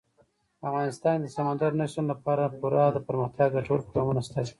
افغانستان کې د سمندر نه شتون لپاره پوره دپرمختیا ګټور پروګرامونه شته دي.